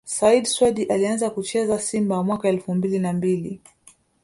Said Swedi Alianza kucheza Simba mwaka elfu mbili na mbili